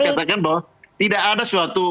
katakan bahwa tidak ada